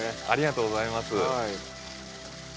ありがとうございます。